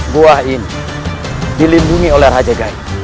buah ini dilindungi oleh raja gaib